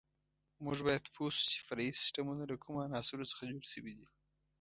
موږ باید پوه شو چې فرعي سیسټمونه له کومو عناصرو څخه جوړ شوي دي.